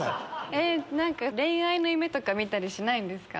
恋愛の夢とか見たりしないんですか？